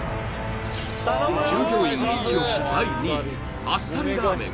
従業員イチ押し第２位あっさりラーメン